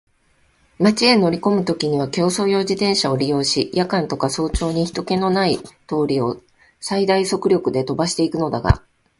町へ乗りこむときには競走用自動車を利用し、夜間とか早朝に人気ひとけのない通りを最大速力で飛ばしていくのだが、